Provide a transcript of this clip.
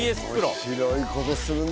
面白いことするね。